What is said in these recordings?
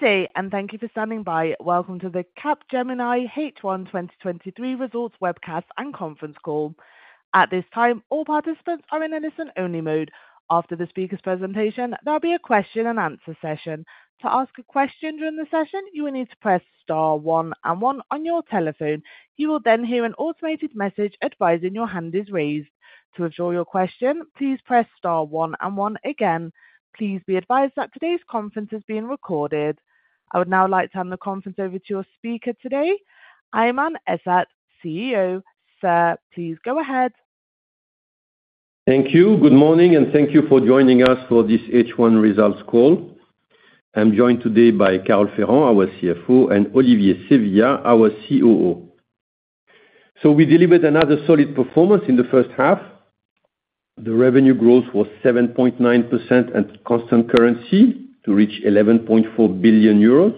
Good day. Thank you for standing by. Welcome to the Capgemini H1 2023 Results Webcast and Conference Call. At this time, all participants are in a listen-only mode. After the speaker's presentation, there'll be a question-and-answer session. To ask a question during the session, you will need to press star one and one on your telephone. You will hear an automated message advising your hand is raised. To withdraw your question, please press star one and one again. Please be advised that today's conference is being recorded. I would now like to turn the conference over to your speaker today, Aiman Ezzat, CEO. Sir, please go ahead. Thank you. Good morning, thank you for joining us for this H1 results call. I'm joined today by Carole Ferrand, our CFO, and Olivier Sevillia, our COO. We delivered another solid performance in the first half. The revenue growth was 7.9% at constant currency to reach 11.4 billion euros.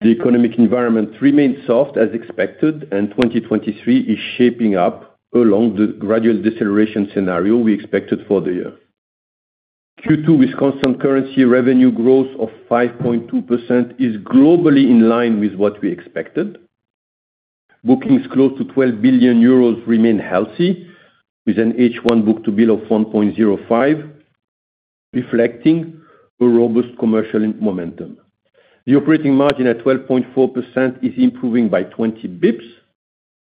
The economic environment remained soft as expected, and 2023 is shaping up along the gradual deceleration scenario we expected for the year. Q2 with constant currency revenue growth of 5.2% is globally in line with what we expected. Bookings close to 12 billion euros remain healthy, with an H1 book-to-bill of 1.05, reflecting a robust commercial momentum. The operating margin at 12.4% is improving by 20 basis points.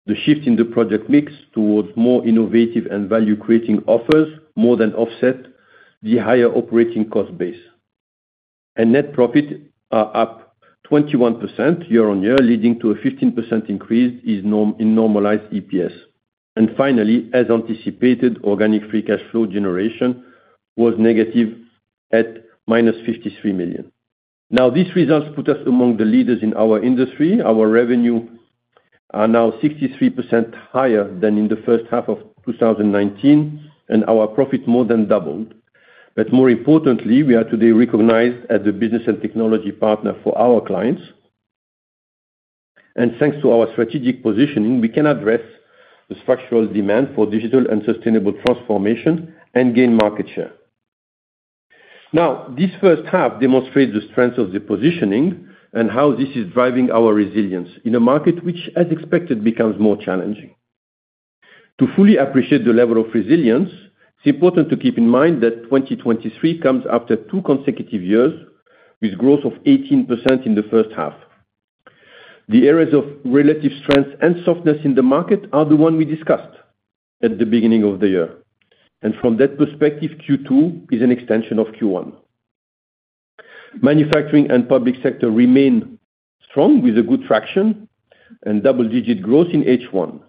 The shift in the project mix towards more innovative and value-creating offers more than offset the higher operating cost base. Net profit are up 21% year-on-year, leading to a 15% increase in normalized EPS. Finally, as anticipated, organic free cash flow generation was negative at -53 million. Now, these results put us among the leaders in our industry. Our revenue are now 63% higher than in the first half of 2019, and our profit more than doubled. More importantly, we are today recognized as the business and technology partner for our clients. Thanks to our strategic positioning, we can address the structural demand for digital and sustainable transformation and gain market share. This first half demonstrates the strength of the positioning and how this is driving our resilience in a market which, as expected, becomes more challenging. To fully appreciate the level of resilience, it's important to keep in mind that 2023 comes after two consecutive years with growth of 18% in the first half. The areas of relative strength and softness in the market are the one we discussed at the beginning of the year, from that perspective, Q2 is an extension of Q1. Manufacturing and public sector remain strong, with a good fraction and double-digit growth in H1.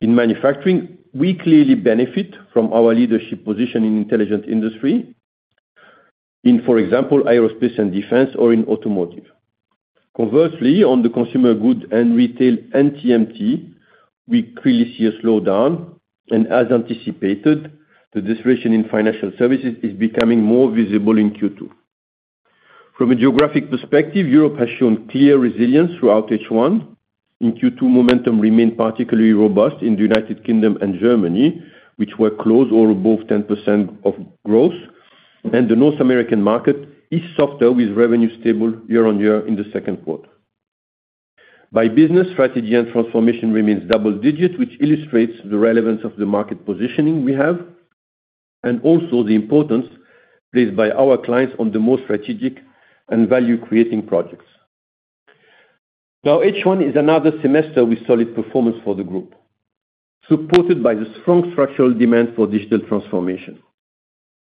In manufacturing, we clearly benefit from our leadership position in Intelligent Industry, in, for example, aerospace and defense or in automotive. Conversely, on the consumer goods and retail and TMT, we clearly see a slowdown. As anticipated, the deceleration in financial services is becoming more visible in Q2. From a geographic perspective, Europe has shown clear resilience throughout H1. In Q2, momentum remained particularly robust in the United Kingdom and Germany, which were close or above 10% of growth. The North American market is softer, with revenue stable year-on-year in the second quarter. By business, Strategy & Transformation remains double digits, which illustrates the relevance of the market positioning we have. Also the importance placed by our clients on the more strategic and value-creating projects. Now, H1 is another semester with solid performance for the group, supported by the strong structural demand for digital transformation.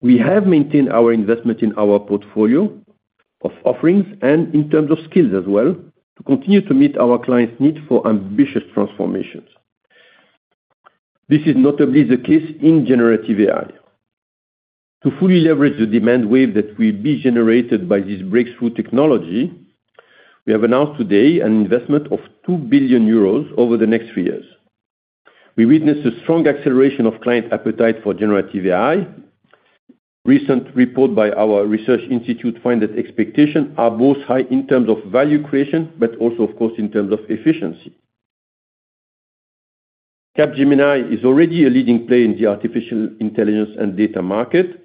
We have maintained our investment in our portfolio of offerings and in terms of skills as well, to continue to meet our clients' need for ambitious transformations. This is notably the case in Generative AI. To fully leverage the demand wave that will be generated by this breakthrough technology, we have announced today an investment of 2 billion euros over the next three years. We witnessed a strong acceleration of client appetite for Generative AI. Recent report by our Research Institute found that expectations are both high in terms of value creation, but also, of course, in terms of efficiency. Capgemini is already a leading player in the Artificial Intelligence and data market.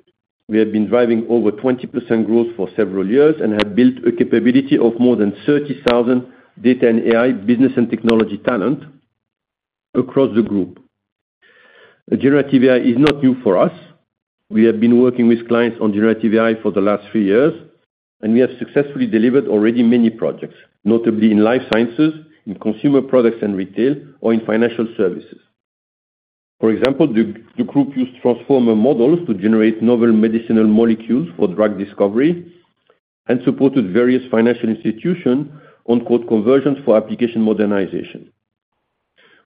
We have been driving over 20% growth for several years and have built a capability of more than 30,000 data and AI business and technology talent across the group. Generative AI is not new for us. We have been working with clients on generative AI for the last three years, and we have successfully delivered already many projects, notably in life sciences, in consumer products and retail, or in financial services. For example, the group used transformer models to generate novel medicinal molecules for drug discovery and supported various financial institutions on quote, conversions for application modernization.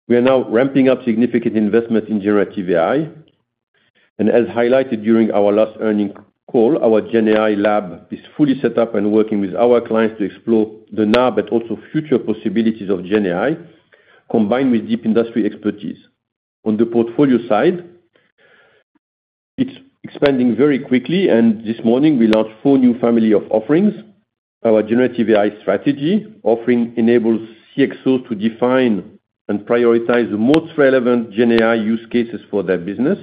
We are now ramping up significant investment in generative AI, and as highlighted during our last earnings call, our Gen AI lab is fully set up and working with our clients to explore the now, but also future possibilities of Gen AI, combined with deep industry expertise. On the portfolio side, it's expanding very quickly, and this morning we launched four new family of offerings. Our Generative AI Strategy offering enables CXOs to define and prioritize the most relevant GenAI use cases for their business.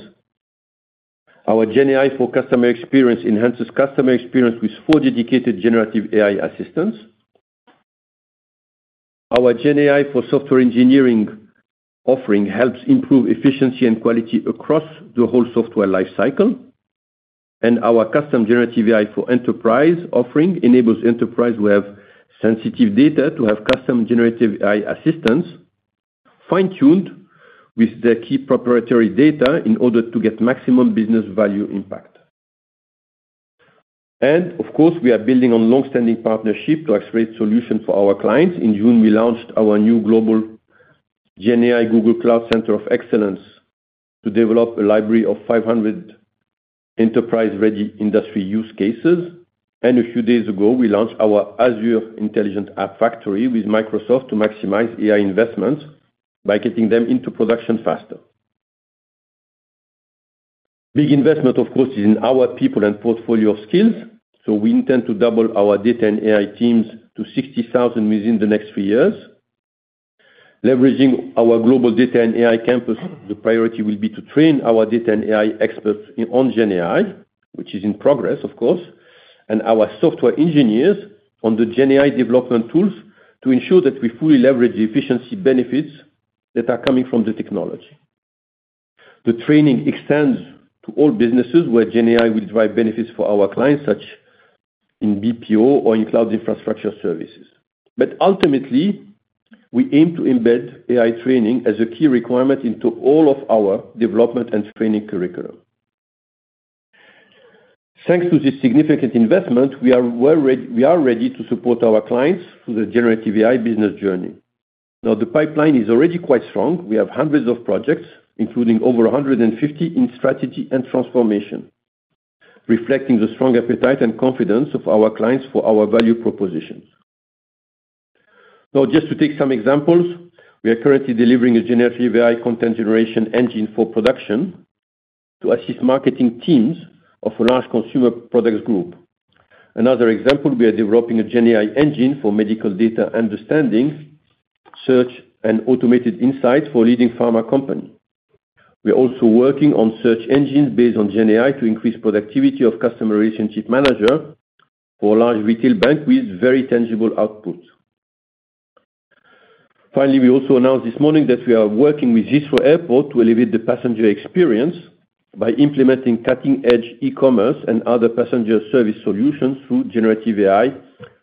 Our Generative AI for Customer Experience enhances customer experience with four dedicated Generative AI assistants. Our Gen AI for Software Engineering offering helps improve efficiency and quality across the whole software life cycle. Our Custom Generative AI for Enterprise offering enables enterprise who have sensitive data to have custom Generative AI assistance, fine-tuned with their key proprietary data in order to get maximum business value impact. Of course, we are building on longstanding partnership to accelerate solutions for our clients. In June, we launched our new global Gen AI Google Cloud Center of Excellence to develop a library of 500 enterprise-ready industry use cases. A few days ago, we launched our Azure Intelligent App Factory with Microsoft to maximize AI investments by getting them into production faster. Big investment, of course, is in our people and portfolio skills. We intend to double our Data & AI teams to 60,000 within the next three years. Leveraging our global Data & AI Campus, the priority will be to train our Data & AI experts on Gen AI, which is in progress, of course, and our software engineers on the Gen AI development tools to ensure that we fully leverage the efficiency benefits that are coming from the technology. The training extends to all businesses, where Gen AI will drive benefits for our clients, such in BPO or in cloud infrastructure services. Ultimately, we aim to embed AI training as a key requirement into all of our development and training curriculum. Thanks to this significant investment, we are ready to support our clients through the Generative AI business journey. The pipeline is already quite strong. We have hundreds of projects, including over 150 in Strategy & Transformation, reflecting the strong appetite and confidence of our clients for our value propositions. Just to take some examples, we are currently delivering a Generative AI content generation engine for production to assist marketing teams of a large consumer products group. Another example, we are developing a Gen AI engine for medical data understanding, search, and automated insights for a leading pharma company. We are also working on search engines based on Gen AI to increase productivity of customer relationship manager for a large retail bank with very tangible output. Finally, we also announced this morning that we are working with Heathrow Airport to elevate the passenger experience by implementing cutting-edge e-commerce and other passenger service solutions through Generative AI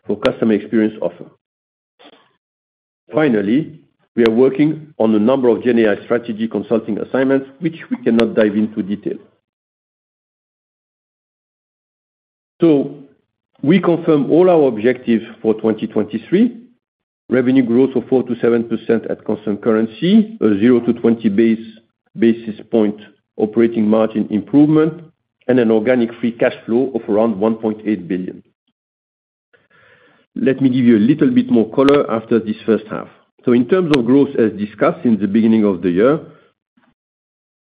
for Customer Experience offer. Finally, we are working on a number of Gen AI strategy consulting assignments, which we cannot dive into detail. We confirm all our objectives for 2023, revenue growth of 4%-7% at constant currency, a 0-20 basis point operating margin improvement, and an organic free cash flow of around 1.8 billion. Let me give you a little bit more color after this first half. In terms of growth, as discussed in the beginning of the year,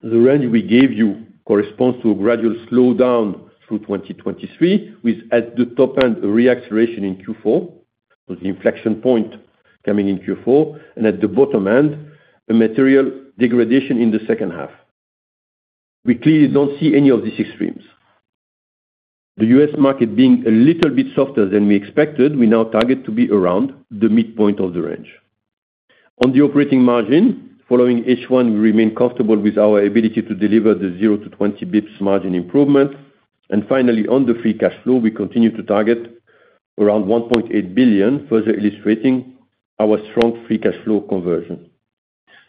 the range we gave you corresponds to a gradual slowdown through 2023, with, at the top end, a re-acceleration in Q4, with the inflection point coming in Q4, and at the bottom end, a material degradation in the second half. We clearly don't see any of these extremes. The U.S. market being a little bit softer than we expected, we now target to be around the midpoint of the range. On the operating margin, following H1, we remain comfortable with our ability to deliver the 0- 20 basis points margin improvement. Finally, on the free cash flow, we continue to target around 1.8 billion, further illustrating our strong free cash flow conversion.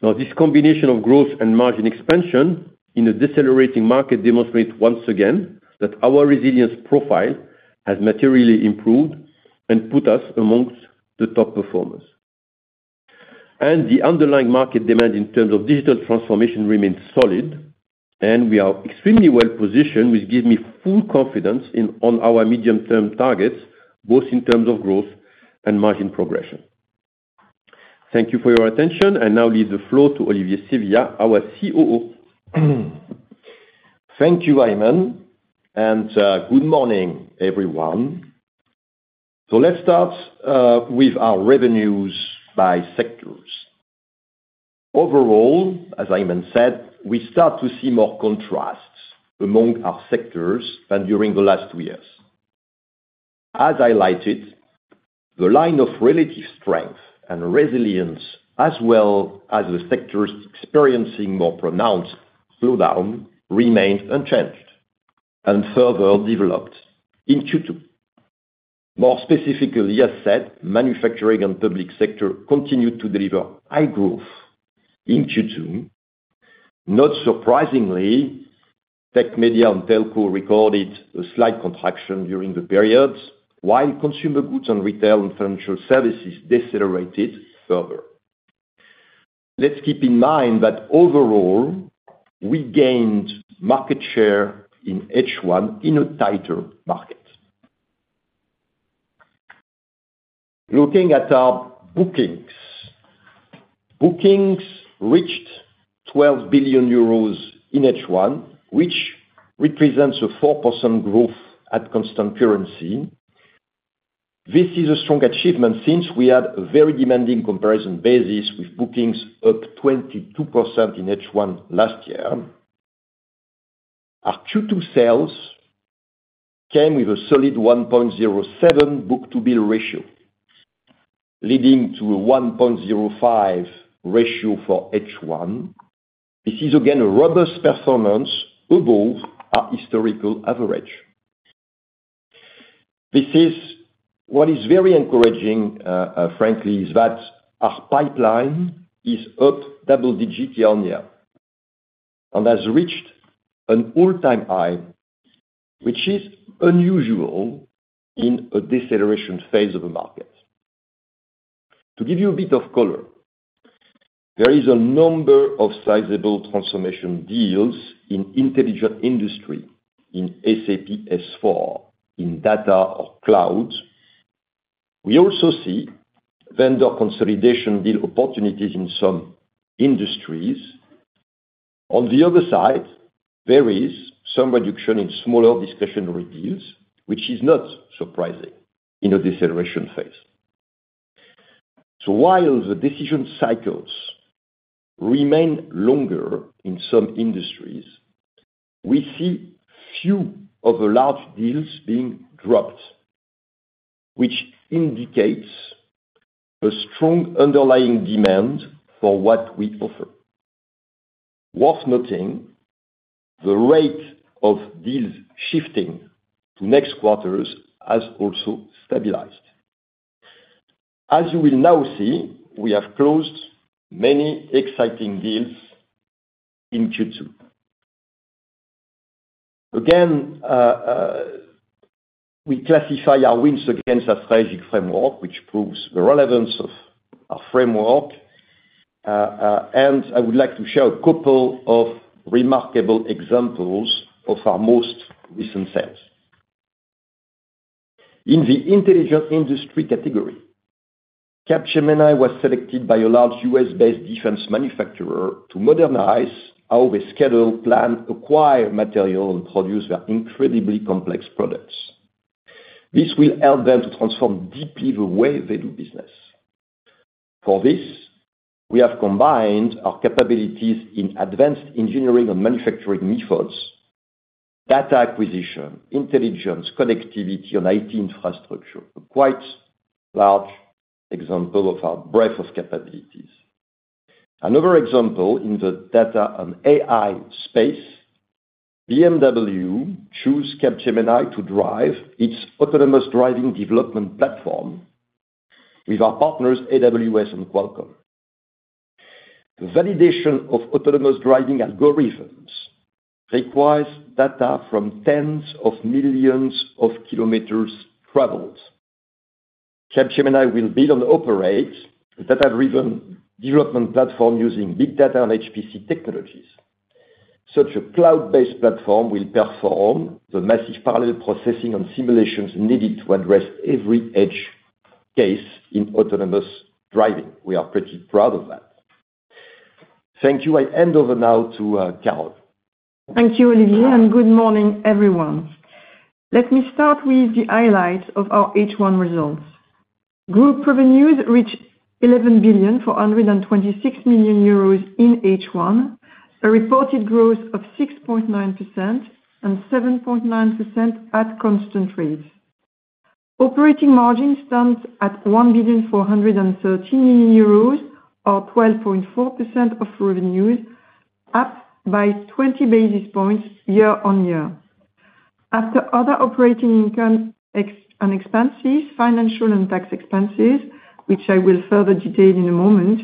This combination of growth and margin expansion in a decelerating market demonstrates once again that our resilience profile has materially improved and put us amongst the top performers. The underlying market demand in terms of digital transformation remains solid, and we are extremely well-positioned, which gives me full confidence on our medium-term targets, both in terms of growth and margin progression. Thank you for your attention, I now leave the floor to Olivier Sevillia, our COO. Thank you, Aiman, good morning, everyone. Let's start with our revenues by sectors. Overall, as Aiman said, we start to see more contrasts among our sectors than during the last two years. As highlighted, the line of relative strength and resilience, as well as the sectors experiencing more pronounced slowdown, remains unchanged and further developed in Q2. More specifically, as said, manufacturing and public sector continued to deliver high growth in Q2. Not surprisingly, Tech, Media and Telco recorded a slight contraction during the period, while consumer goods and retail and financial services decelerated further. Let's keep in mind that overall, we gained market share in H1 in a tighter market. Looking at our bookings. Bookings reached 12 billion euros in H1, which represents a 4% growth at constant currency. This is a strong achievement since we had a very demanding comparison basis, with bookings up 22% in H1 last year. Our Q2 sales came with a solid 1.07 book-to-bill ratio, leading to a 1.05 ratio for H1. This is, again, a robust performance above our historical average. This is, what is very encouraging, frankly, is that our pipeline is up double digits year-on-year, and has reached an all-time high, which is unusual in a deceleration phase of a market. To give you a bit of color, there is a number of sizable transformation deals in Intelligent Industry, in SAP S/4, in data or cloud. We also see vendor consolidation deal opportunities in some industries. On the other side, there is some reduction in smaller discretionary deals, which is not surprising in a deceleration phase. While the decision cycles remain longer in some industries, we see few of the large deals being dropped, which indicates a strong underlying demand for what we offer. Worth noting, the rate of deals shifting to next quarters has also stabilized. As you will now see, we have closed many exciting deals in Q2. Again, we classify our wins against our strategic framework, which proves the relevance of our framework. I would like to share a couple of remarkable examples of our most recent sales. In the Intelligent Industry category, Capgemini was selected by a large U.S.-based defense manufacturer to modernize how they schedule, plan, acquire material, and produce their incredibly complex products. This will help them to transform deeply the way they do business. For this, we have combined our capabilities in advanced engineering and manufacturing methods, data acquisition, intelligence, connectivity, and IT infrastructure, a quite large example of our breadth of capabilities. Another example, in the data and AI space, BMW chose Capgemini to drive its autonomous driving development platform with our partners, AWS and Qualcomm. The validation of autonomous driving algorithms requires data from tens of millions of kilometers traveled. Capgemini will build and operate the data-driven development platform using Big Data and HPC technologies. Such a cloud-based platform will perform the massive parallel processing and simulations needed to address every edge case in autonomous driving. We are pretty proud of that. Thank you. I hand over now to Carole. Thank you, Olivier, and good morning, everyone. Let me start with the highlights of our H1 results. Group revenues reached 11,426,000,000 euros in H1, a reported growth of 6.9% and 7.9% at constant rates. Operating margin stands at 1,430,000,000 euros or 12.4% of revenues, up by 20 basis points year-on-year. After other operating income and expenses, financial and tax expenses, which I will further detail in a moment,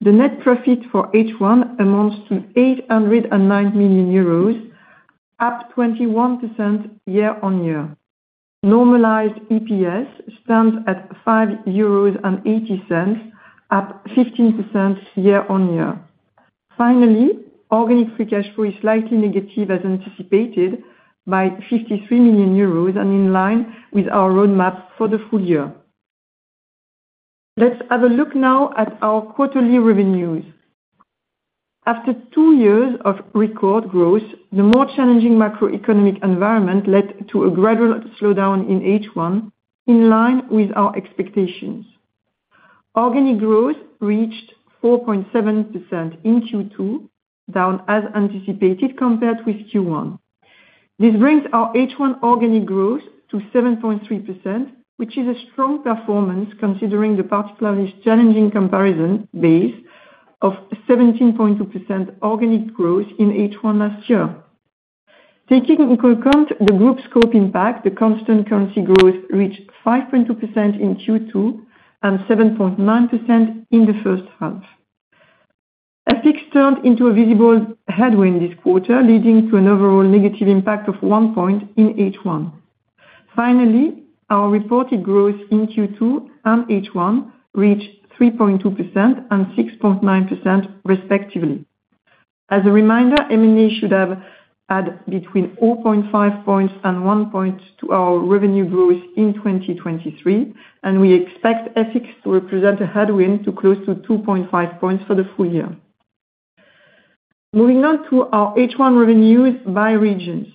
the net profit for H1 amounts to 809 million euros, up 21% year-on-year. Normalized EPS stands at 5.80 euros, up 15% year-on-year. Finally, organic free cash flow is slightly negative, as anticipated, by 53 million euros and in line with our roadmap for the full year. Let's have a look now at our quarterly revenues. After two years of record growth, the more challenging macroeconomic environment led to a gradual slowdown in H1, in line with our expectations. Organic growth reached 4.7% in Q2, down as anticipated, compared with Q1. This brings our H1 organic growth to 7.3%, which is a strong performance considering the particularly challenging comparison base of 17.2% organic growth in H1 last year. Taking into account the group scope impact, the constant currency growth reached 5.2% in Q2 and 7.9% in the first half. FX turned into a visible headwind this quarter, leading to an overall negative impact of 1 point in H1. Finally, our reported growth in Q2 and H1 reached 3.2% and 6.9% respectively. As a reminder, M&A should have add between 4.5 points and 1 point to our revenue growth in 2023, and we expect FX to represent a headwind to close to 2.5 points for the full year. Moving on to our H1 revenues by regions.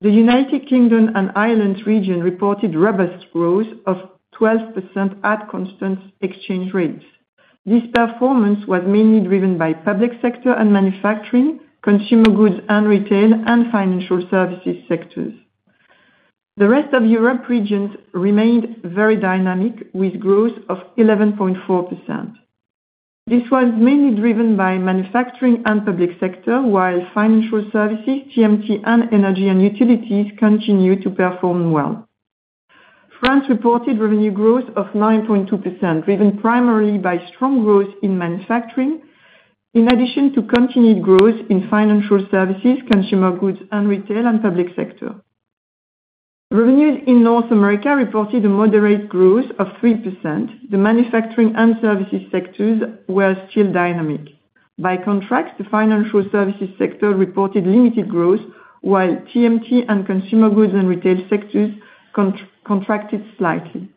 The United Kingdom and Ireland region reported robust growth of 12% at constant exchange rates. This performance was mainly driven by public sector and manufacturing, consumer goods and retail, and financial services sectors. The rest of Europe regions remained very dynamic, with growth of 11.4%. This was mainly driven by manufacturing and public sector, while financial services, TMT, and energy and utilities continued to perform well. France reported revenue growth of 9.2%, driven primarily by strong growth in manufacturing, in addition to continued growth in financial services, consumer goods and retail, and public sector. Revenues in North America reported a moderate growth of 3%. The manufacturing and services sectors were still dynamic. By contrast, the financial services sector reported limited growth, while TMT and consumer goods and retail sectors contracted slightly.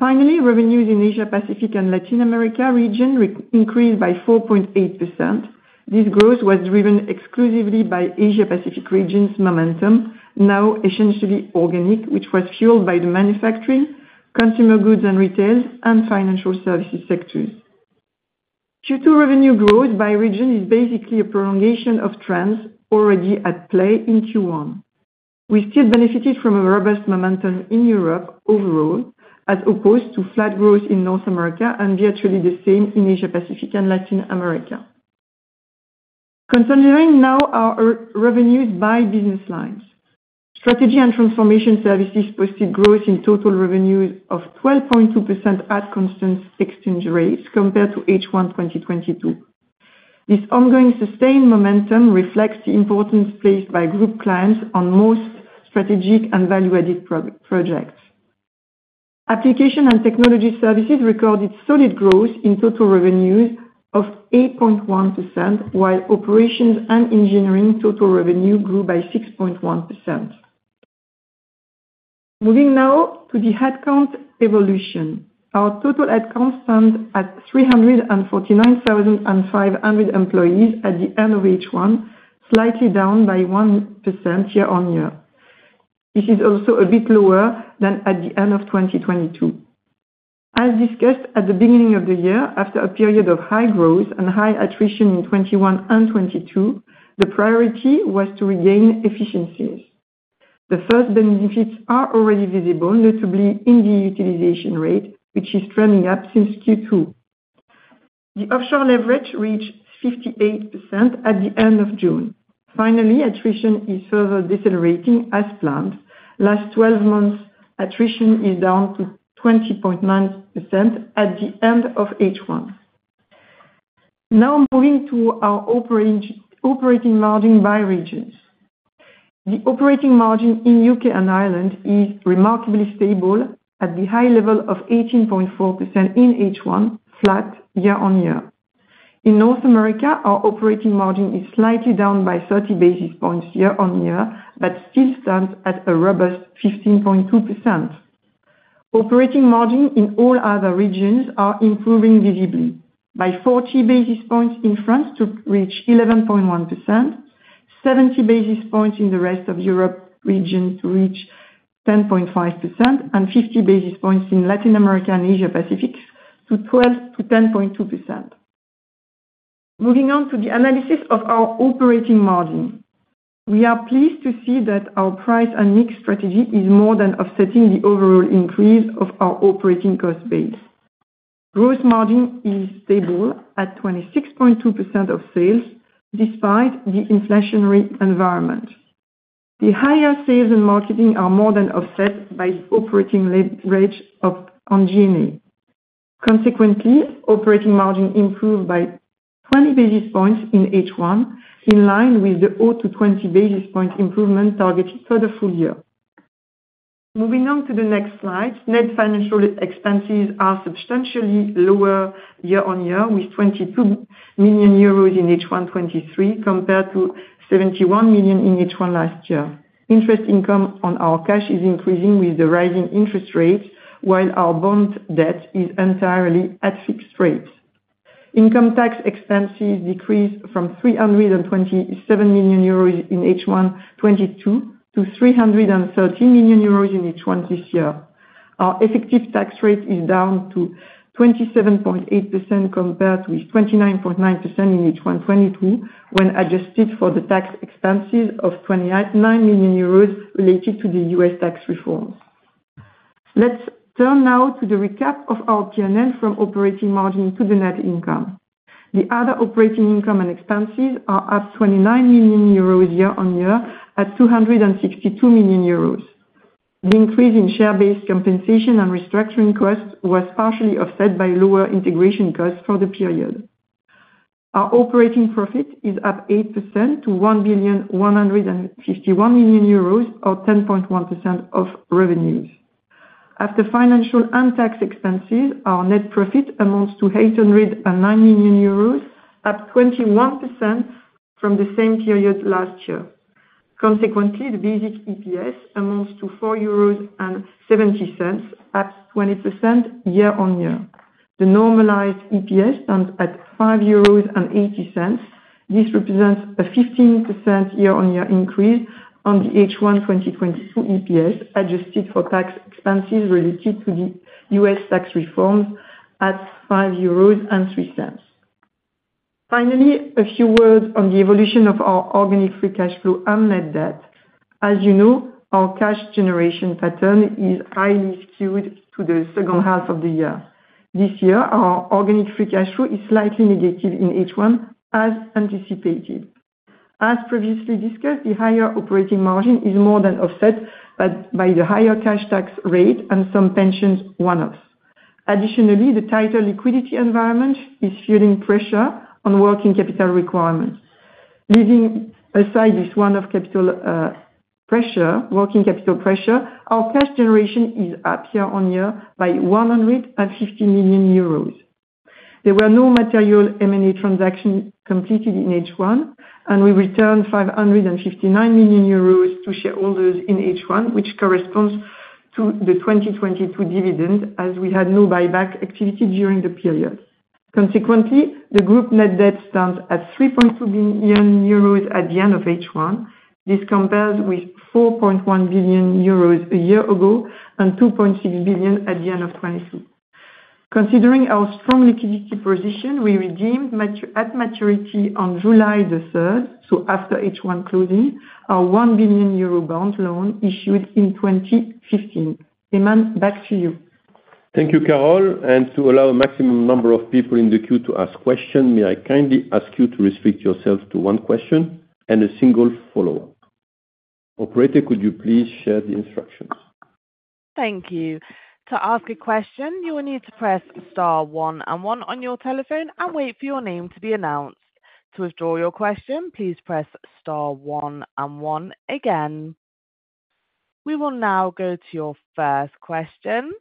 Finally, revenues in Asia Pacific and Latin America region increased by 4.8%. This growth was driven exclusively by Asia Pacific region's momentum, now essentially organic, which was fueled by the manufacturing, consumer goods and retail, and financial services sectors. Q2 revenue growth by region is basically a prolongation of trends already at play in Q1. We still benefited from a robust momentum in Europe overall, as opposed to flat growth in North America and virtually the same in Asia Pacific and Latin America. Considering now our revenues by business lines. Strategy and Transformation services posted growth in total revenues of 12.2% at constant exchange rates compared to H1 2022. This ongoing sustained momentum reflects the importance placed by group clients on most strategic and value-added projects. Applications and Technology services recorded solid growth in total revenues of 8.1%, while Operations and Engineering total revenue grew by 6.1%. Moving now to the headcount evolution. Our total headcount stand at 349,500 employees at the end of H1, slightly down by 1% year-on-year. This is also a bit lower than at the end of 2022. As discussed at the beginning of the year, after a period of high growth and high attrition in 2021 and 2022, the priority was to regain efficiencies. The first benefits are already visible, notably in the utilization rate, which is trending up since Q2. The offshore leverage reached 58% at the end of June. Finally, attrition is further decelerating as planned. Last 12 months, attrition is down to 20.9% at the end of H1. Now moving to our operating margin by regions. The operating margin in U.K. and Ireland is remarkably stable at the high level of 18.4% in H1, flat year-on-year. In North America, our operating margin is slightly down by 30 basis points year-on-year, but still stands at a robust 15.2%. Operating margin in all other regions are improving visibly, by 40 basis points in France to reach 11.1%, 70 basis points in the rest of Europe region to reach 10.5%, and 50 basis points in Latin America and Asia Pacific to 10.2%. Moving on to the analysis of our operating margin. We are pleased to see that our price and mix strategy is more than offsetting the overall increase of our operating cost base. Gross margin is stable at 26.2% of sales, despite the inflationary environment. The higher sales and marketing are more than offset by the operating leverage on G&A. Consequently, operating margin improved by 20 basis points in H1, in line with the 20 basis point improvement targeted for the full year. Moving on to the next slide. Net financial expenses are substantially lower year-on-year, with 22 million euros in H1 2023, compared to 71 million in H1 last year. Interest income on our cash is increasing with the rising interest rates, while our bond debt is entirely at fixed rates. Income tax expenses decreased from 327 million euros in H1 2022 to 313 million euros in H1 this year. Our effective tax rate is down to 27.8%, compared with 29.9% in H1 2022, when adjusted for the tax expenses of 28.9 million euros related to the U.S. tax reforms. Let's turn now to the recap of our P&L from operating margin to the net income. The other operating income and expenses are at 29 million euros year-on-year, at 262 million euros. The increase in share-based compensation and restructuring costs was partially offset by lower integration costs for the period. Our operating profit is up 8% to 1,151,000,000 euros, or 10.1% of revenues. After financial and tax expenses, our net profit amounts to 809 million euros, up 21% from the same period last year. Consequently, the basic EPS amounts to 4.70 euros, up 20% year-on-year. The normalized EPS stands at EUR 5.80. This represents a 15% year-on-year increase on the H1 2022 EPS, adjusted for tax expenses related to the U.S. tax reform at 5.03 euros. Finally, a few words on the evolution of our organic free cash flow and net debt. As you know, our cash generation pattern is highly skewed to the second half of the year. This year, our organic free cash flow is slightly negative in H1, as anticipated. As previously discussed, the higher operating margin is more than offset by the higher cash tax rate and some pensions one-offs. Additionally, the tighter liquidity environment is fueling pressure on working capital requirements. Leaving aside this one-off capital pressure, working capital pressure, our cash generation is up year on year by 150 million euros. There were no material M&A transactions completed in H1, and we returned 559 million euros to shareholders in H1, which corresponds to the 2022 dividend, as we had no buyback activity during the period. Consequently, the group net debt stands at 3.2 billion euros at the end of H1. This compares with 4.1 billion euros a year ago and 2.6 billion at the end of 2022. Considering our strong liquidity position, we redeemed at maturity on July the third, so after H1 closing, our 1 billion euro bond loan issued in 2015. Aiman, back to you. Thank you, Carole. To allow a maximum number of people in the queue to ask questions, may I kindly ask you to restrict yourself to one question and a single follow-up? Operator, could you please share the instructions? Thank you. To ask a question, you will need to press star one and one on your telephone and wait for your name to be announced. To withdraw your question, please press star one and one again. We will now go to your first question.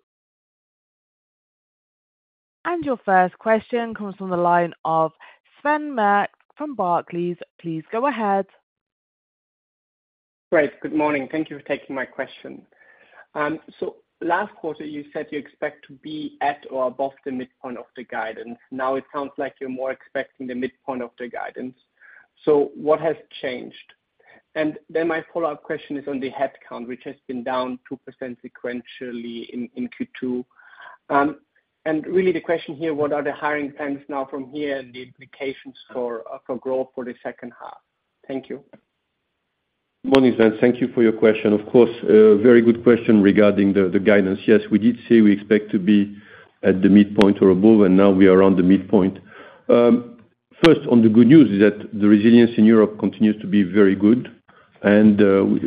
Your first question comes from the line of Sven Merkt from Barclays. Please go ahead. Great. Good morning. Thank you for taking my question. Last quarter, you said you expect to be at or above the midpoint of the guidance. Now it sounds like you're more expecting the midpoint of the guidance. What has changed? Then my follow-up question is on the headcount, which has been down 2% sequentially in, in Q2. Really the question here, what are the hiring plans now from here and the implications for growth for the second half? Thank you. Morning, Sven. Thank you for your question. Of course, a very good question regarding the guidance. Yes, we did say we expect to be at the midpoint or above, and now we are around the midpoint. First, on the good news is that the resilience in Europe continues to be very good, and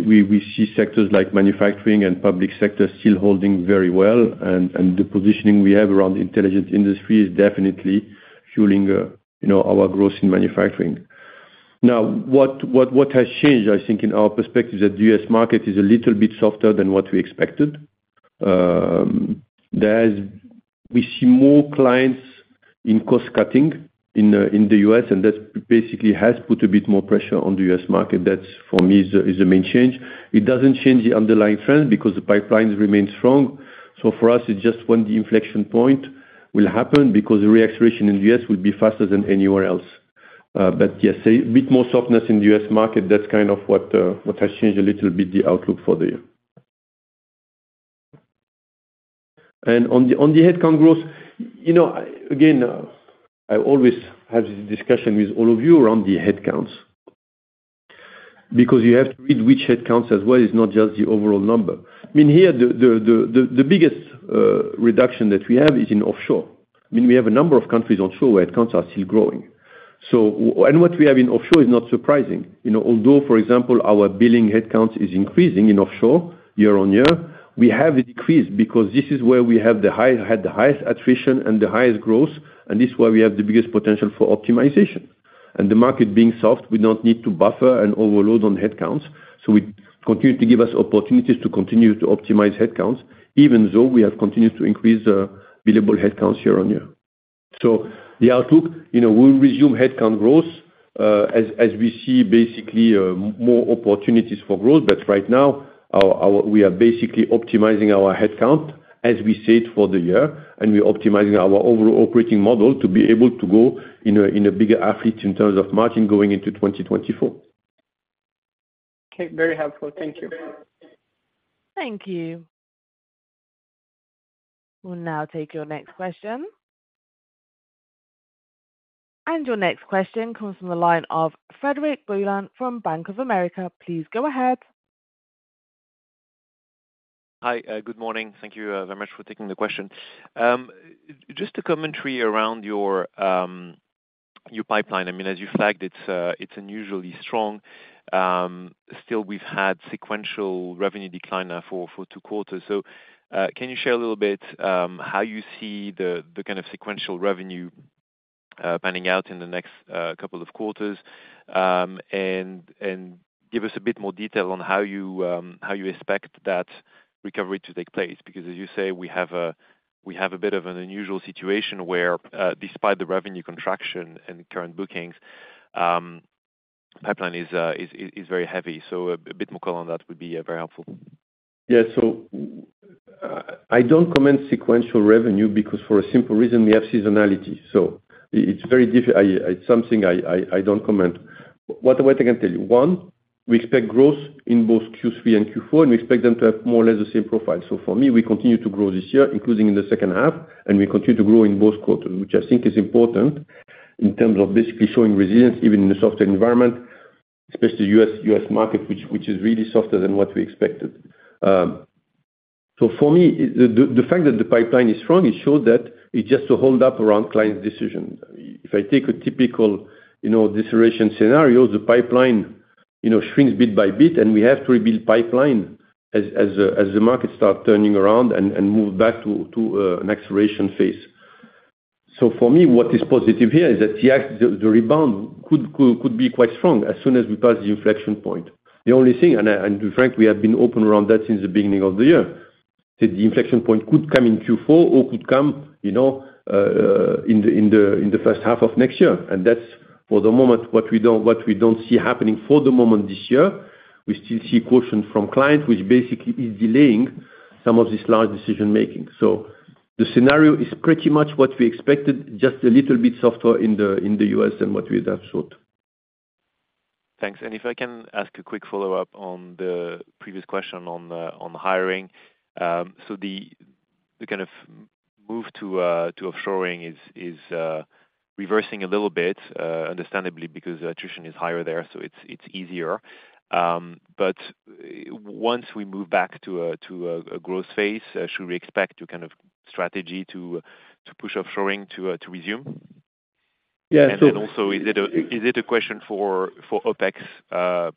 we, we see sectors like manufacturing and public sector still holding very well, and the positioning we have around Intelligent Industry is definitely fueling, you know, our growth in manufacturing. What has changed, I think, in our perspective, is that the U.S. market is a little bit softer than what we expected. We see more clients in cost-cutting in the U.S., and that basically has put a bit more pressure on the U.S. market. That, for me, is the main change. It doesn't change the underlying trend because the pipelines remain strong. For us, it's just when the inflection point will happen, because the re-acceleration in the U.S. will be faster than anywhere else. Yes, a bit more softness in the U.S. market, that's kind of what has changed a little bit the outlook for the year. On the, on the headcount growth, you know, again, I always have this discussion with all of you around the headcounts. You have to read which headcounts as well, it's not just the overall number. I mean, here, the, the, the, the, the biggest reduction that we have is in offshore. I mean, we have a number of countries onshore where headcounts are still growing. What we have in offshore is not surprising. You know, although, for example, our billing headcount is increasing in offshore year-on-year, we have a decrease because this is where we had the highest attrition and the highest growth, and this is where we have the biggest potential for optimization. The market being soft, we don't need to buffer and overload on headcounts, so we continue to give us opportunities to continue to optimize headcounts, even though we have continued to increase billable headcounts year-on-year. The outlook, you know, we'll resume headcount growth as, as we see basically more opportunities for growth. Right now, our, our, we are basically optimizing our headcount as we said for the year, and we're optimizing our overall operating model to be able to go in a, in a bigger athlete in terms of margin going into 2024. Okay, very helpful. Thank you. Thank you. We'll now take your next question. Your next question comes from the line of Frederic Boulan from Bank of America. Please go ahead. Hi, good morning. Thank you very much for taking the question. Just a commentary around your pipeline. I mean, as you flagged, it's unusually strong. Still, we've had sequential revenue decline now for, for two quarters. Can you share a little bit how you see the kind of sequential revenue panning out in the next couple of quarters? And give us a bit more detail on how you expect that recovery to take place. Because, as you say, we have a, we have a bit of an unusual situation where, despite the revenue contraction and current bookings, pipeline is, is, is very heavy. A bit more color on that would be very helpful. Yeah. I don't comment sequential revenue because for a simple reason, we have seasonality, it's something I don't comment. What I can tell you, one, we expect growth in both Q3 and Q4, and we expect them to have more or less the same profile. For me, we continue to grow this year, including in the second half, and we continue to grow in both quarters, which I think is important in terms of basically showing resilience, even in the softer environment, especially U.S. market, which is really softer than what we expected. For me, the fact that the pipeline is strong, it shows that it's just to hold up around clients' decision. If I take a typical, you know, deceleration scenario, the pipeline, you know, shrinks bit by bit. We have to rebuild pipeline as, as the market start turning around and, and move back to, to an acceleration phase. For me, what is positive here is that the, the rebound could, could, could be quite strong as soon as we pass the inflection point. The only thing, and I, and frank, we have been open around that since the beginning of the year, that the inflection point could come in Q4 or could come, you know, in the first half of next year. That's, for the moment, what we don't, what we don't see happening for the moment this year. We still see caution from clients, which basically is delaying some of this large decision-making. The scenario is pretty much what we expected, just a little bit softer in the, in the U.S. than what we had thought. Thanks. If I can ask a quick follow-up on the previous question on the, on hiring. The kind of move to offshoring is reversing a little bit, understandably, because attrition is higher there, so it's easier. Once we move back to a growth phase, should we expect your kind of strategy to push offshoring to resume? Yeah. Then also, is it a, is it a question for, for OpEx?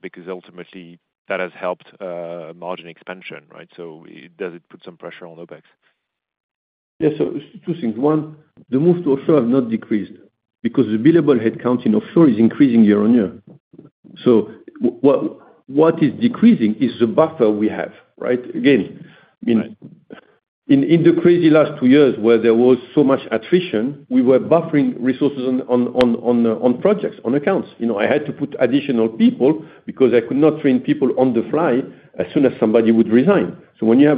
Because ultimately that has helped margin expansion, right? Does it put some pressure on OpEx? Yeah. Two things. One, the move to offshore have not decreased because the billable headcount in offshore is increasing year-on-year. What, what is decreasing is the buffer we have, right? Again. Right In the crazy last two years where there was so much attrition, we were buffering resources on projects, on accounts. You know, I had to put additional people because I could not train people on the fly as soon as somebody would resign. When you have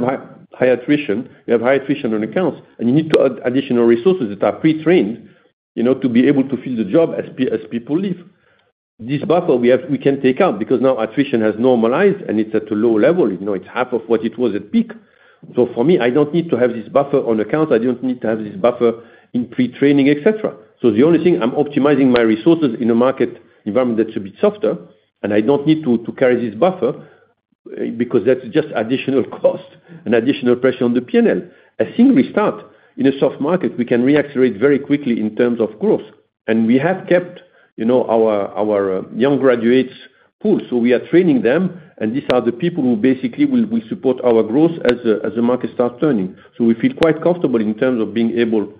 high attrition, you have high attrition on accounts, and you need to add additional resources that are pre-trained, you know, to be able to fill the job as people leave. This buffer we have, we can take out because now attrition has normalized, and it's at a low level, you know, it's half of what it was at peak. For me, I don't need to have this buffer on account. I don't need to have this buffer in pre-training, et cetera. The only thing, I'm optimizing my resources in a market environment that should be softer, and I don't need to, to carry this buffer, because that's just additional cost and additional pressure on the P&L. As things restart in a soft market, we can reaccelerate very quickly in terms of growth. We have kept, you know, our, our young graduates pool, so we are training them, and these are the people who basically will, will support our growth as the, as the market start turning. We feel quite comfortable in terms of being able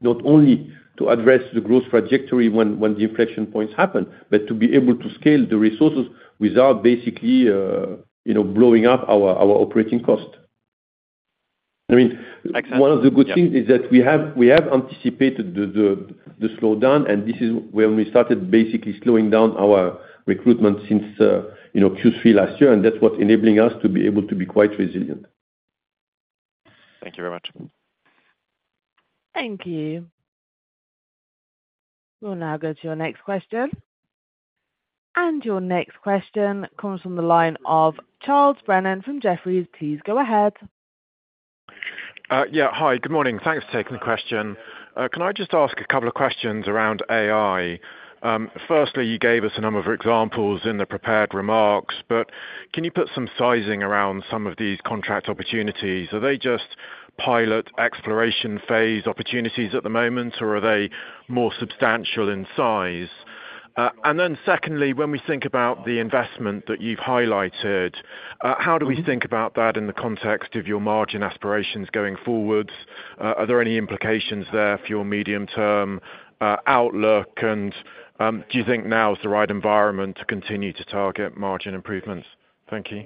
not only to address the growth trajectory when, when the inflection points happen, but to be able to scale the resources without basically, you know, blowing up our, our operating cost. I mean. Excellent. One of the good things is that we have anticipated the slowdown. This is when we started basically slowing down our recruitment since, you know, Q3 last year. That's what's enabling us to be able to be quite resilient. Thank you very much. Thank you. We'll now go to your next question. Your next question comes from the line of Charles Brennan from Jefferies. Please go ahead. Yeah, hi, good morning. Thanks for taking the question. Can I just ask a couple of questions around AI? Firstly, you gave us a number of examples in the prepared remarks, but can you put some sizing around some of these contract opportunities? Are they just pilot exploration phase opportunities at the moment, or are they more substantial in size? And then secondly, when we think about the investment that you've highlighted. Mm-hmm. How do we think about that in the context of your margin aspirations going forwards? Are there any implications there for your medium-term outlook? Do you think now is the right environment to continue to target margin improvements? Thank you.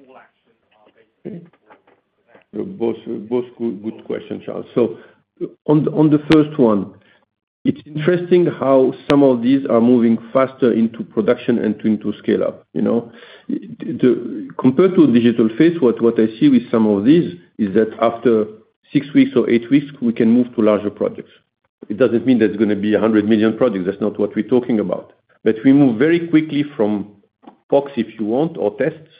Both, both good, good questions, Charles so, on the first one, it's interesting how some of these are moving faster into production and into scale-up, you know? Compared to digital phase, I see with some of these is that after six weeks or eight weeks, we can move to larger projects. It doesn't mean there's gonna be 100 million projects. That's not what we're talking about. We move very quickly from box, if you want, or tests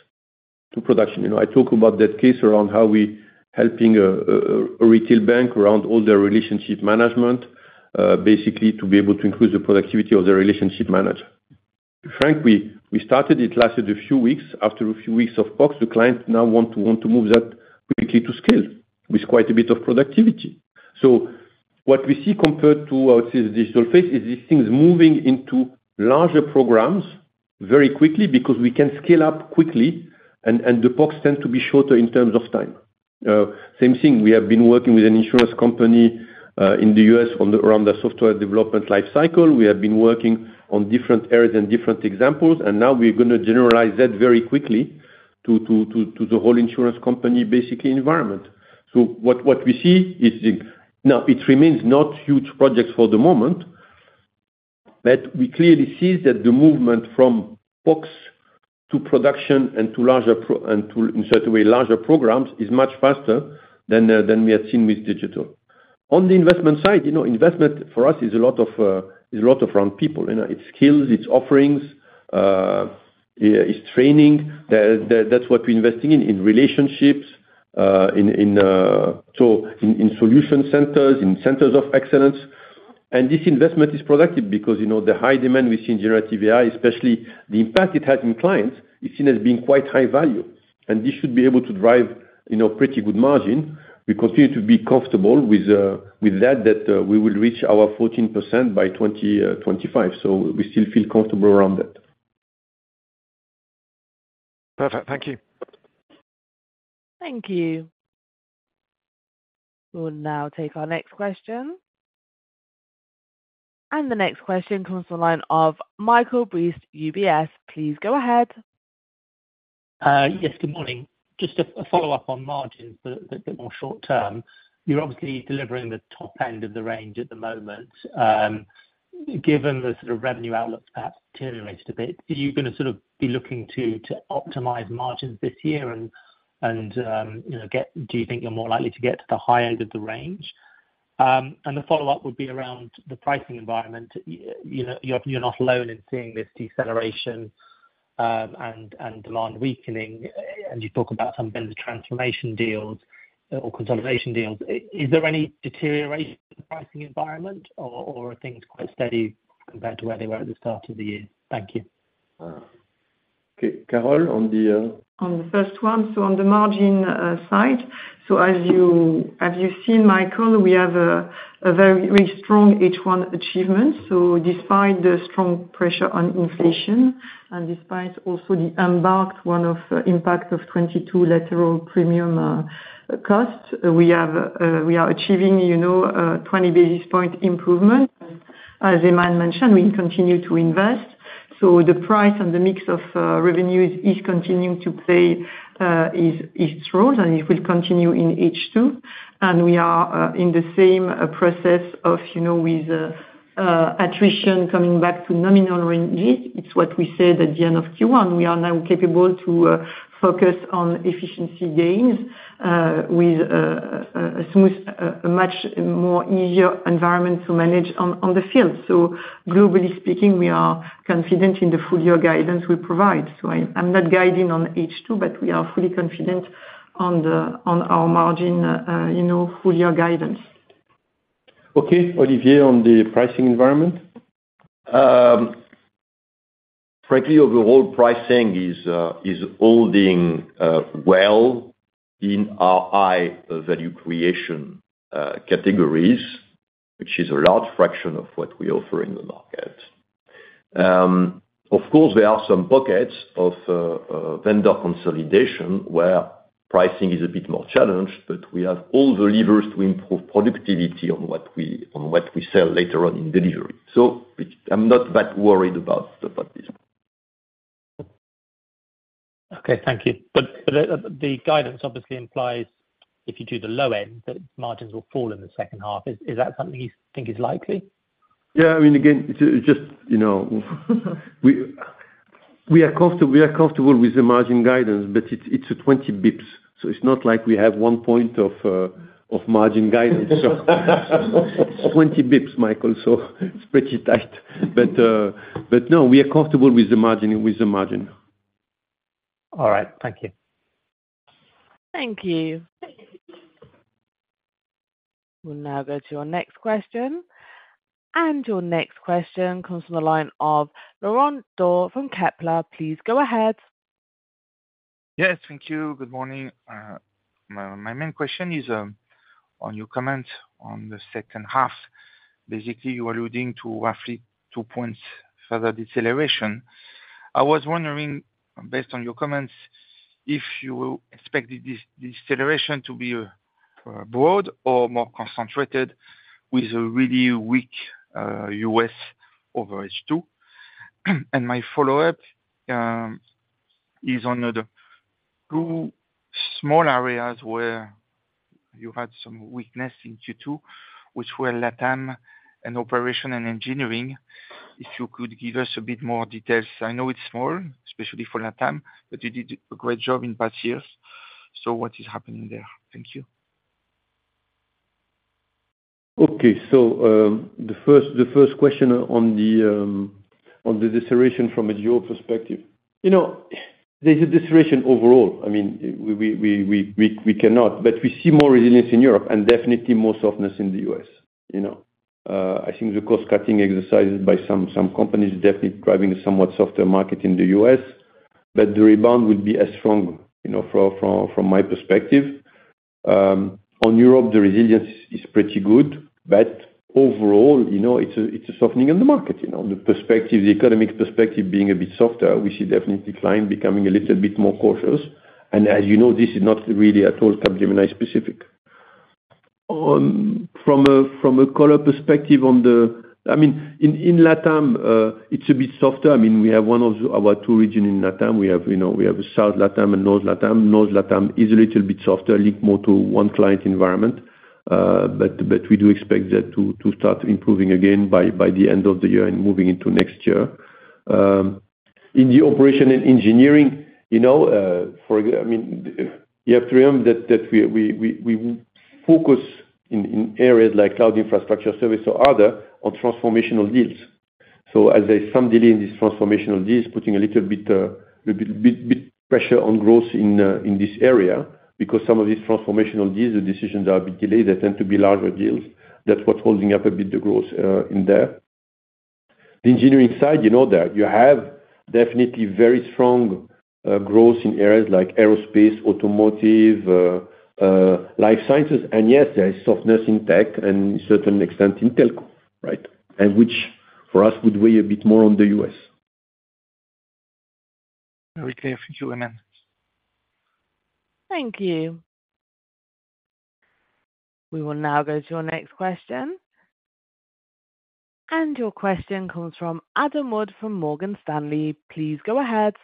to production. You know, I talk about that case around how we helping a retail bank around all their relationship management, basically to be able to increase the productivity of the relationship manager. Frank, we started, it lasted a few weeks. After a few weeks of box, the client now want to move that quickly to scale with quite a bit of productivity. What we see compared to, I would say, the digital phase, is these things moving into larger programs very quickly because we can scale up quickly, and the box tend to be shorter in terms of time. Same thing, we have been working with an insurance company in the U.S. around the software development life cycle. We have been working on different areas and different examples, and now we're gonna generalize that very quickly to the whole insurance company, basically, environment. What, what we see is the, now it remains not huge projects for the moment, but we clearly see that the movement from POCs to production and to larger and to, in certain way, larger programs, is much faster than we had seen with digital. On the investment side, you know, investment for us is a lot of, is a lot around people, you know, it's skills, it's offerings, it's training. That, that, that's what we're investing in, in relationships, so in, in solution centers, in centers of excellence. This investment is productive because, you know, the high demand we see in generative AI, especially the impact it has in clients, is seen as being quite high value. This should be able to drive, you know, pretty good margin. We continue to be comfortable with, with that, that, we will reach our 14% by 2025. We still feel comfortable around that. Perfect. Thank you. Thank you. We'll now take our next question. The next question comes from the line of Michael Briest, UBS. Please go ahead. Yes, good morning. Just a follow-up on margins, but a bit more short term. You're obviously delivering the top end of the range at the moment. Given the sort of revenue outlook perhaps deteriorated a bit, are you gonna sort of be looking to optimize margins this year and, you know, do you think you're more likely to get to the high end of the range? The follow-up would be around the pricing environment. You know, you're not alone in seeing this deceleration, and demand weakening, and you talk about some vendor transformation deals or consolidation deals. Is there any deterioration in the pricing environment or are things quite steady compared to where they were at the start of the year? Thank you. Okay, Carole, on the. On the first one, on the margin side, as you, as you've seen, Michael, we have a very, very strong H1 achievement. Despite the strong pressure on inflation and despite also the embarked one of impact of 22 lateral premium costs, we have, we are achieving, you know, 20 basis point improvement. As Aiman mentioned, we continue to invest, so the price and the mix of revenues is continuing to play, its role, and it will continue in H2. We are, in the same process of, you know, with attrition coming back to nominal ranges. It's what we said at the end of Q1. We are now capable to focus on efficiency gains, with a smooth, a much more easier environment to manage on, on the field. Globally speaking, we are confident in the full-year guidance we provide. I, I'm not guiding on H2, but we are fully confident on the, on our margin, you know, full-year guidance. Okay. Olivier, on the pricing environment. Frankly, overall pricing is holding well in our high value creation categories, which is a large fraction of what we offer in the market. Of course, there are some pockets of vendor consolidation, where pricing is a bit more challenged, but we have all the levers to improve productivity on what we, on what we sell later on in delivery. I'm not that worried about, about this. Okay, thank you. The guidance obviously implies, if you do the low end, that margins will fall in the second half. Is that something you think is likely? Yeah, I mean, again, it's just, you know, we, we are comfortable, we are comfortable with the margin guidance. It's, it's a 20 basis points, so it's not like we have 1 point of margin guidance. 20 basis points, Michael, so it's pretty tight. No, we are comfortable with the margin, with the margin. All right. Thank you. Thank you. We'll now go to our next question. Your next question comes from the line of Laurent Daure from Kepler. Please go ahead. Yes. Thank you. Good morning. My main question is on your comment on the second half. Basically, you are alluding to roughly 2 points further deceleration. I was wondering, based on your comments, if you expect this deceleration to be broad or more concentrated, with a really weak U.S. over H2? My follow-up is on the two small areas where you had some weakness in Q2, which were Latam and Operations & Engineering. If you could give us a bit more details. I know it's small, especially for Latam, but you did a great job in past years. What is happening there? Thank you. Okay. The first, the first question on the, on the deceleration from a geo perspective. You know, there's a deceleration overall. I mean, we cannot, but we see more resilience in Europe and definitely more softness in the U.S., you know. I think the cost-cutting exercises by some companies is definitely driving a somewhat softer market in the U.S., but the rebound would be as strong, you know, from my perspective. On Europe, the resilience is pretty good, but overall, you know, it's a softening in the market, you know. The perspective, the economic perspective being a bit softer, we see definitely clients becoming a little bit more cautious. As you know, this is not really at all Capgemini specific. On, from a, from a color perspective on the, I mean, in, in Latam, it's a bit softer. I mean, we have one of our two region in Latam. We have, you know, we have South Latam and North Latam. North Latam is a little bit softer, linked more to one client environment, but, but we do expect that to, to start improving again by, by the end of the year and moving into next year. In the Operations & Engineering, you know, for, I mean, you have to remember that, that we, we, we, we focus in, in areas like cloud infrastructure service or other on transformational deals. As I some deal in this transformational deals, putting a little bit, bit, bit pressure on growth in this area, because some of these transformational deals, the decisions are a bit delayed. They tend to be larger deals. That's what's holding up a bit, the growth in there. The engineering side, you know that you have definitely very strong growth in areas like aerospace, automotive, life sciences, and yes, there is softness in tech and certain extent in telco, right? Which for us, would weigh a bit more on the U.S. Very clear. Thank you, Aiman. Thank you. We will now go to our next question. Your question comes from Adam Wood, from Morgan Stanley. Please go ahead.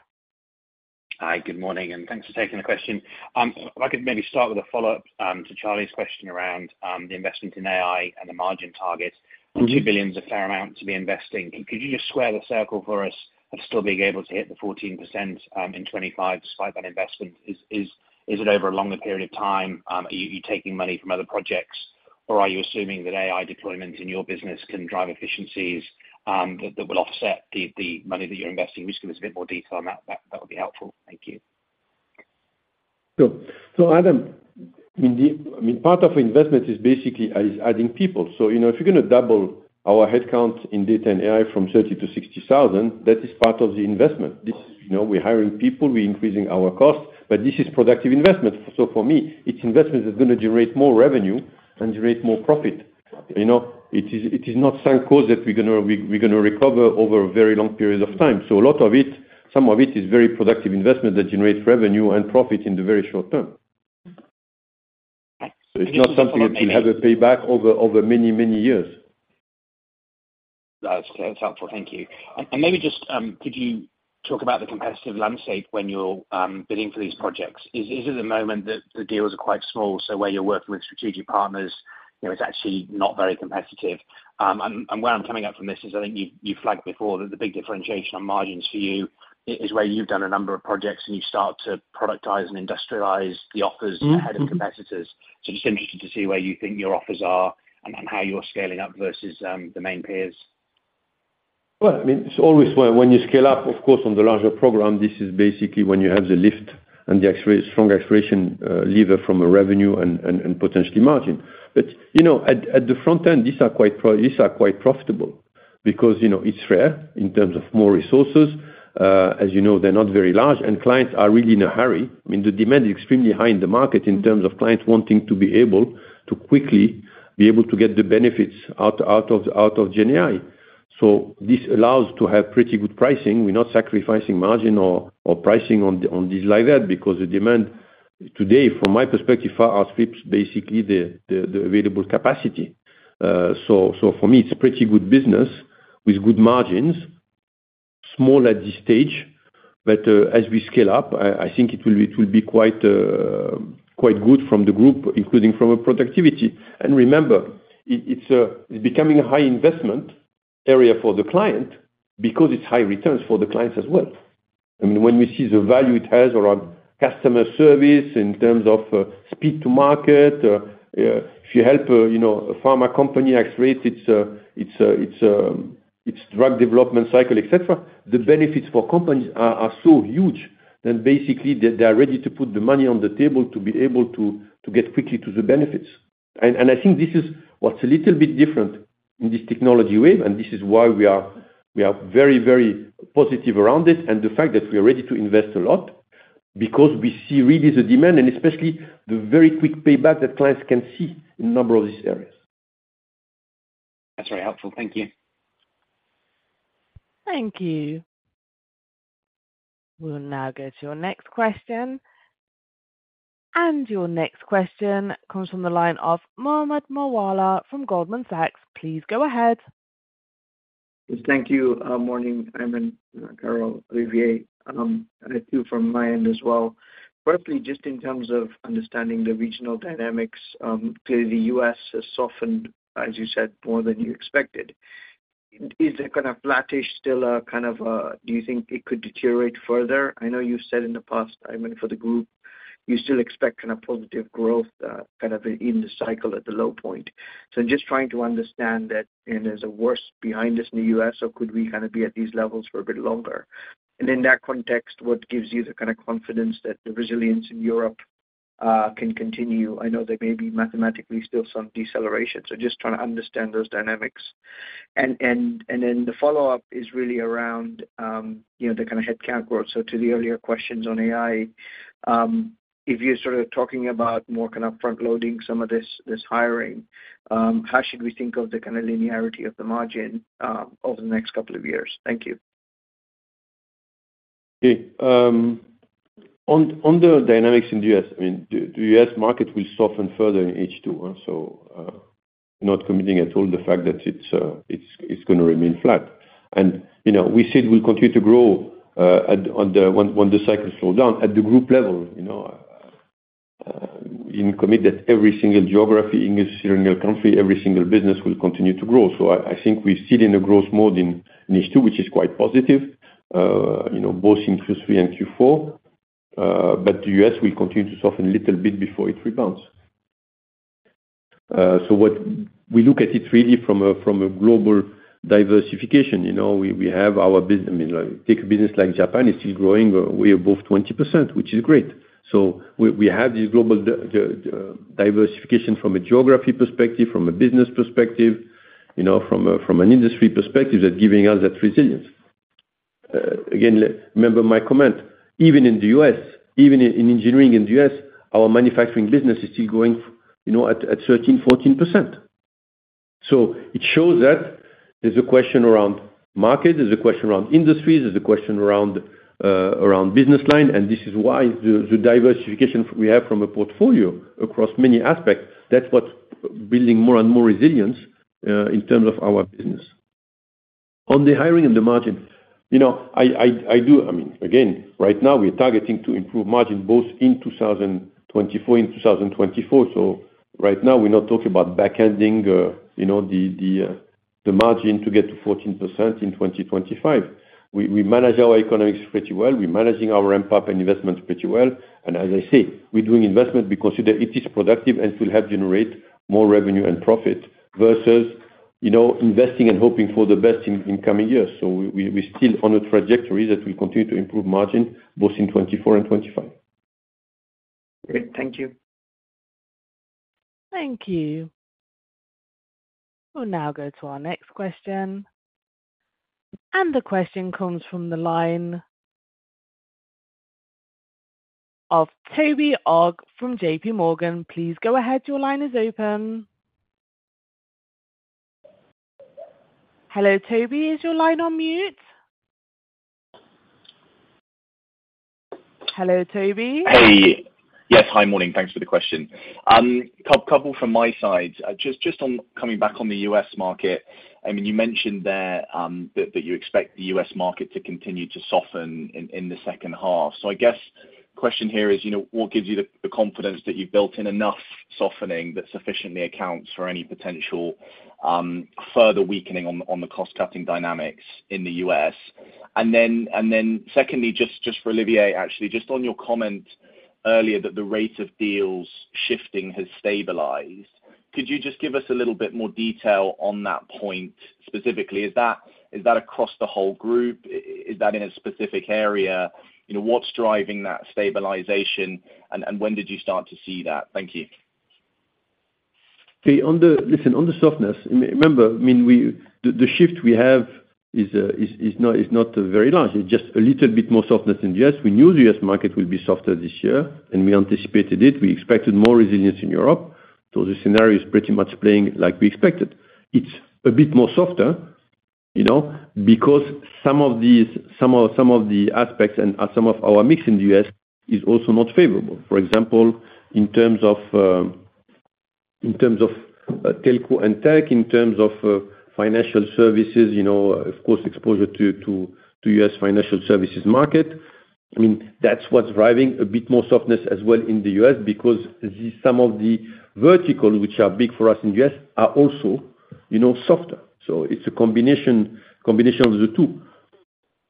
Hi, good morning, and thanks for taking the question. If I could maybe start with a follow-up to Charles question around the investment in AI and the margin target. 2 billion is a fair amount to be investing. Could you just square the circle for us of still being able to hit the 14% in 2025, despite that investment? Is it over a longer period of time, are you taking money from other projects, or are you assuming that AI deployment in your business can drive efficiencies that will offset the money that you're investing? Just give us a bit more detail on that, that would be helpful. Thank you. Sure. Adam, I mean, the, I mean, part of investment is basically is adding people. You know, if you're gonna double our headcount in data and AI from 30,000-60,000, that is part of the investment. This, you know, we're hiring people, we're increasing our costs, but this is productive investment. For me, it's investment that's gonna generate more revenue and generate more profit. You know, it is, it is not some cause that we're gonna, we're gonna recover over a very long period of time. A lot of it, some of it is very productive investment that generates revenue and profit in the very short term. It's not something that we have a payback over, over many, many years. That's, that's helpful. Thank you. Maybe just, could you talk about the competitive landscape when you're bidding for these projects? Is it the moment that the deals are quite small, so where you're working with strategic partners, you know, it's actually not very competitive? Where I'm coming up from this is, I think you, you flagged before that the big differentiation on margins for you is where you've done a number of projects, and you start to productize and industrialize the offers. Mm-hmm. head of competitors. Just interested to see where you think your offers are and, and how you're scaling up versus, the main peers. Well, I mean, it's always when, when you scale up, of course, on the larger program, this is basically when you have the lift and the acceleration, strong acceleration, lever from a revenue and, and, and potentially margin. You know, at, at the front end, these are quite profitable because, you know, it's rare in terms of more resources. As you know, they're not very large, and clients are really in a hurry. I mean, the demand is extremely high in the market in terms of clients wanting to be able to quickly be able to get the benefits out, out of Gen AI. This allows to have pretty good pricing. We're not sacrificing margin or, or pricing on the, on this like that, because the demand today, from my perspective, far outstrips basically the, the, the available capacity. So for me, it's pretty good business with good margins. Small at this stage, but as we scale up, I, I think it will, it will be quite, quite good from the group, including from a productivity. Remember, it, it's a, it's becoming a high investment area for the client because it's high returns for the clients as well. I mean, when we see the value it has around customer service in terms of speed to market, if you help, you know, a pharma company accelerate its, its, its drug development cycle, et cetera, the benefits for companies are, are so huge that basically they, they are ready to put the money on the table to be able to, to get quickly to the benefits. I think this is what's a little bit different in this technology wave, and this is why we are, we are very, very positive around it and the fact that we are ready to invest a lot because we see really the demand and especially the very quick payback that clients can see in a number of these areas. That's very helpful. Thank you. Thank you. We'll now go to your next question. Your next question comes from the line of Mohammed Moawalla from Goldman Sachs. Please go ahead. Yes, thank you. Morning, Aiman, Carole, Olivier. I have two from my end as well. Firstly, just in terms of understanding the regional dynamics, clearly the U.S. has softened, as you said, more than you expected. Is there kind of flattish still a kind of? Do you think it could deteriorate further? I know you've said in the past, I mean, for the group, you still expect kind of positive growth, kind of in the cycle at the low point. Just trying to understand that, and is it worse behind us in the U.S., or could we kind of be at these levels for a bit longer? In that context, what gives you the kind of confidence that the resilience in Europe can continue? I know there may be mathematically still some deceleration, just trying to understand those dynamics. The follow-up is really around, you know, the kind of headcount growth. So to the earlier questions on AI, if you're sort of talking about more kind of front-loading some of this, this hiring, how should we think of the kind of linearity of the margin, over the next couple of years? Thank you. Okay, on, on the dynamics in the U.S., I mean, the U.S. market will soften further in H2, so not committing at all the fact that it's, it's, it's gonna remain flat. You know, we said we'll continue to grow at, on the, when, when the cycle slow down at the group level, you know, in commit that every single geography, English, single country, every single business will continue to grow. I, I think we're still in a growth mode in, in H2, which is quite positive, you know, both in Q3 and Q4. The U.S. will continue to soften a little bit before it rebounds. What we look at it really from a, from a global diversification, you know, we, we have our business. I mean, like, take a business like Japan, it is growing way above 20%, which is great. We, we have this global diversification from a geography perspective, from a business perspective, you know, from a, from an industry perspective, that's giving us that resilience. Again, remember my comment, even in the U.S., even in, in engineering in the U.S., our manufacturing business is still growing, you know, at, at 13%, 14%. It shows that there's a question around market, there's a question around industries, there's a question around, around business line, and this is why the, the diversification we have from a portfolio across many aspects, that's what's building more and more resilience in terms of our business. On the hiring and the margin, you know, I, I do, I mean, again, right now we're targeting to improve margin both in 2024, in 2024. Right now, we're not talking about back ending, you know, the, the margin to get to 14% in 2025. We, we manage our economics pretty well. We're managing our ramp up and investments pretty well. As I say, we're doing investment because it is productive and will help generate more revenue and profit versus, you know, investing and hoping for the best in, in coming years. We, we still on a trajectory that will continue to improve margin, both in 2024 and 2025. Great. Thank you. Thank you. We'll now go to our next question. The question comes from the line of Toby Ogg from JPMorgan. Please go ahead. Your line is open. Hello, Toby, is your line on mute? Hello, Toby. Hey. Yes, hi, morning. Thanks for the question. Couple from my side. Just, just on coming back on the U.S. market, I mean, you mentioned there, that, that you expect the U.S. market to continue to soften in, in the second half. I guess, question here is, you know, what gives you the, the confidence that you've built in enough softening that sufficiently accounts for any potential, further weakening on the, on the cost-cutting dynamics in the U.S.? Then, and then secondly, just, just for Olivier, actually, just on your comment earlier, that the rate of deals shifting has stabilized. Could you just give us a little bit more detail on that point specifically? Is that, is that across the whole group? Is that in a specific area? You know, what's driving that stabilization, and, and when did you start to see that? Thank you. Okay. On the, listen, on the softness, remember, I mean, we, the shift we have is not very large. It's just a little bit more softness in the U.S. We knew the U.S. market would be softer this year, and we anticipated it. We expected more resilience in Europe, so the scenario is pretty much playing like we expected. It's a bit more softer, you know, because some of these, some of the aspects and some of our mix in the U.S. is also not favorable. For example, in terms of telco and tech, in terms of financial services, you know, of course, exposure to U.S. financial services market. I mean, that's what's driving a bit more softness as well in the U.S., because some of the verticals, which are big for us in U.S., are also, you know, softer. It's a combination of the two.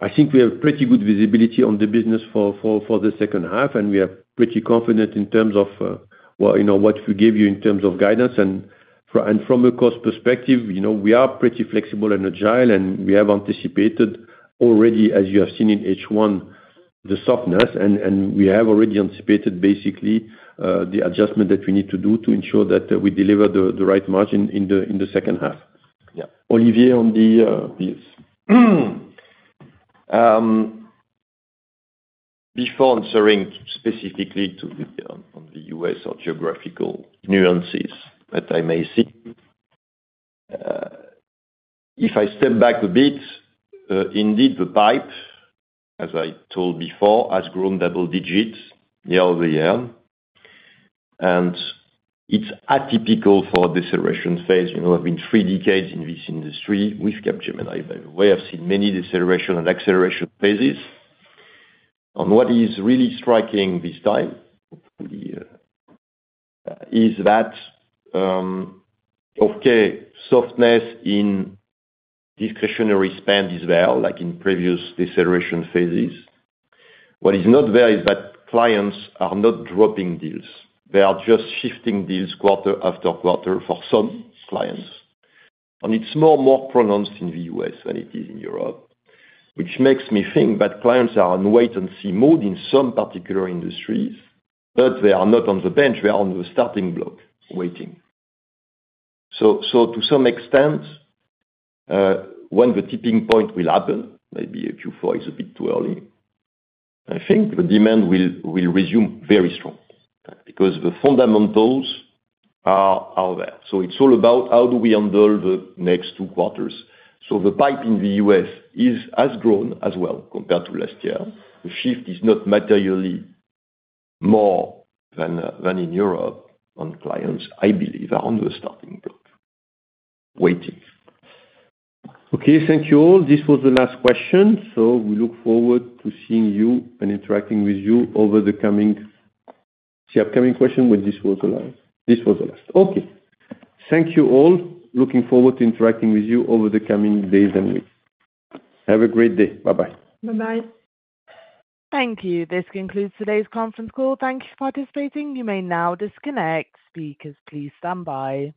I think we have pretty good visibility on the business for the second half, and we are pretty confident in terms of, well, you know, what we give you in terms of guidance. From a cost perspective, you know, we are pretty flexible and agile, and we have anticipated already, as you have seen in H1, the softness, and we have already anticipated, basically, the adjustment that we need to do to ensure that we deliver the right margin in the second half. Yeah. Olivier, on the deals. Before answering specifically to the, on, on the U.S. or geographical nuances that I may see, if I step back a bit, indeed, the pipe, as I told before, has grown double digits year-over-year, and it's atypical for a deceleration phase. You know, I've been three decades in this industry with Capgemini, where I've seen many deceleration and acceleration phases. What is really striking this time, is that, okay, softness in discretionary spend is well, like in previous deceleration phases. What is not there is that clients are not dropping deals. They are just shifting deals quarter after quarter for some clients, and it's more, more pronounced in the U.S. than it is in Europe. Which makes me think that clients are on wait and see mode in some particular industries, but they are not on the bench, they are on the starting block, waiting. To some extent, when the tipping point will happen, maybe Q4 is a bit too early, I think the demand will, will resume very strong, because the fundamentals are, are there. It's all about how do we handle the next two quarters? The pipe in the U.S. is, has grown as well compared to last year. The shift is not materially more than, than in Europe on clients, I believe, are on the starting block, waiting. Okay. Thank you all. This was the last question, so we look forward to seeing you and interacting with you over the coming, the upcoming question, well, this was the last. This was the last. Okay. Thank you all. Looking forward to interacting with you over the coming days and weeks. Have a great day. Bye-bye. Bye-bye. Thank you. This concludes today's conference call. Thank you for participating. You may now disconnect. Speakers, please stand by.